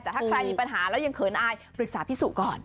แต่ถ้าใครมีปัญหาแล้วยังเขินอายปรึกษาพี่สุก่อน